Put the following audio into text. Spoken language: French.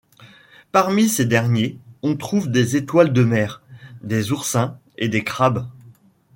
Parmi ces derniers, on trouve des étoiles de mer, des oursins et des crabes.